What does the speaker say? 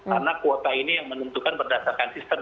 karena kuota ini yang menentukan berdasarkan sistem